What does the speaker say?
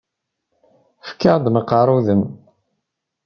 Fek-aɣ-d meqqaṛ udem.